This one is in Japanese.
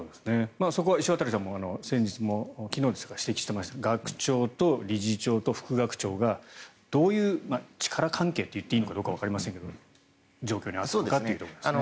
そこは石渡さんも先日も指摘していましたが学長と理事長と副学長がどういう力関係と言っていいのかわかりませんが状況にあったのかということですね。